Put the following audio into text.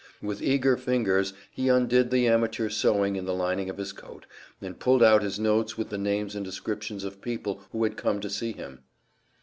With eager fingers he undid the amateur sewing in the lining of his coat, and pulled out his notes with the names and descriptions of people who had come to see him.